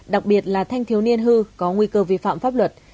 đặc biệt là thanh thiếu niên hư có nguy cơ vi phạm pháp luật